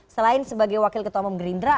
selain sebagai wakil ketua pemerintah